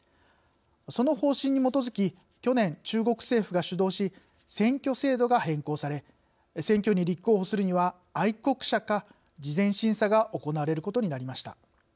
その方針に基づき去年、中国政府が主導し選挙制度が変更され選挙に立候補するには「愛国者」か、事前審査が行われることになりました。